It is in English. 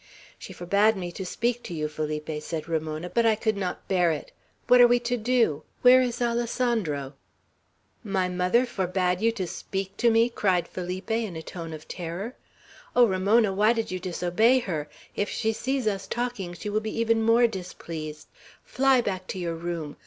"She forbade me to speak to you, Felipe," said Ramona, "but I could not bear it. What are we to do? Where is Alessandro?" "My mother forbade you to speak to me!" cried Felipe, in a tone of terror. "Oh, Ramona, why did you disobey her? If she sees us talking, she will be even more displeased. Fly back to your room.